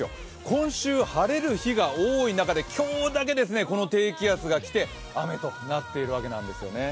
今週晴れる日が多い中で、今日だけこの低気圧が来て雨となっているわけなんですよね。